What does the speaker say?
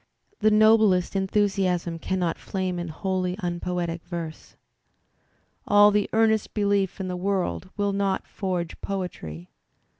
The noblest enthusiasm cannot flame in wholly un poetic verse. All the earnest belief in the world will not forge poetry.